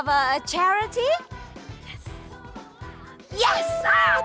karena kita punya amal